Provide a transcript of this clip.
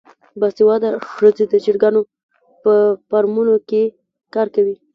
باسواده ښځې د چرګانو په فارمونو کې کار کوي.